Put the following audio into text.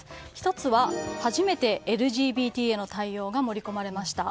１つは、初めてＬＧＢＴへの対応が盛り込まれました。